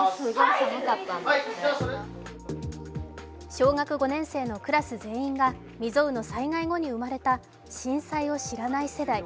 小学５年生のクラス全員が未曾有の災害後に生まれた震災を知らない世代。